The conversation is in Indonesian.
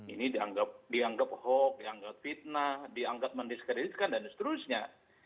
ini dianggap hoax dianggap fitnah dianggap mendiskreditkan dan seterusnya